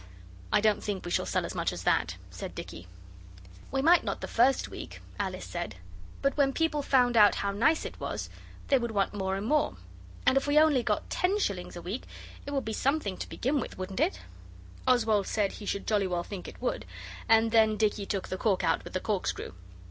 I don't think we shall sell as much as that,' said Dicky. 'We might not the first week,' Alice said, 'but when people found out how nice it was, they would want more and more. And if we only got ten shillings a week it would be something to begin with, wouldn't it?' Oswald said he should jolly well think it would, and then Dicky took the cork out with the corkscrew.